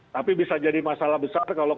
tapi bisa jadi masalah besar kalau